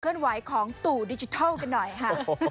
ไหวของตู่ดิจิทัลกันหน่อยค่ะ